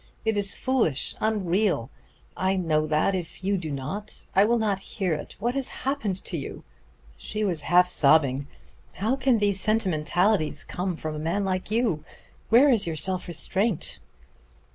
It is foolish, unreal I know that if you do not. I will not hear it. What has happened to you?" She was half sobbing. "How can these sentimentalities come from a man like you? Where is your self restraint?"